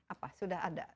apa sudah ada